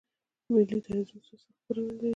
ملي تلویزیون څو ساعته خپرونې لري؟